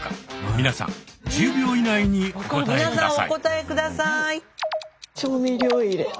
みなさん１０秒以内にお答え下さい。